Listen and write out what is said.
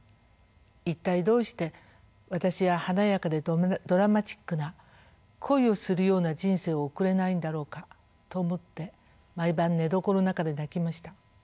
一体どうして私は華やかでドラマチックな恋をするような人生を送れないんだろうか」と思って毎晩寝床の中で泣きました。